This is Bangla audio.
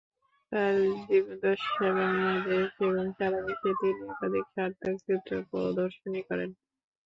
তাঁর জীবদ্দশায় বাংলাদেশ এবং সারা বিশ্বে তিনি একাধিক সার্থক চিত্র প্রদর্শনী করেন।